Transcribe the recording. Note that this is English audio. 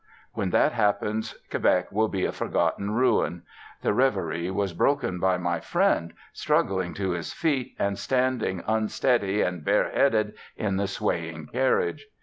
When that happens, Quebec will be a forgotten ruin.... The reverie was broken by my friend struggling to his feet and standing, unsteady and bareheaded, in the swaying carriage.